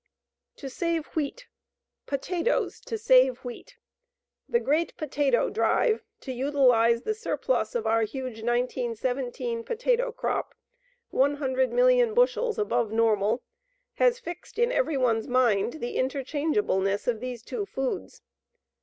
To Save Wheat. Potatoes to save wheat! The great potato drive to utilize the surplus of our huge 1917 potato crop, 100,000,000 bushels above normal, has fixed in every one's mind the interchangeableness of these two foods.